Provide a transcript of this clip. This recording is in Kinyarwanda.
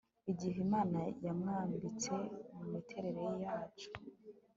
igihe imana yamwambitse mumiterere yacu